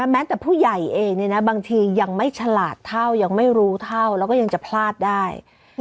แม้แต่ผู้ใหญ่เองบางทียังไม่ฉลาดเท่ายังไม่รู้เท่าแล้วก็ยังจะพลาดได้